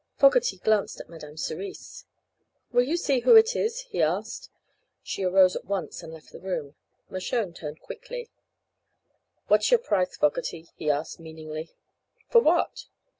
Fogerty glanced at Madame Cerise. "Will you see who it is?" he asked. She arose at once and left the room. Mershone turned quickly. "What's your price, Fogerty?" he asked, meaningly. "For what?"